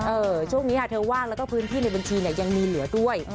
ช่วงนี้ค่ะเธอว่างแล้วก็พื้นที่ในบัญชีเนี่ยยังมีเหลือด้วย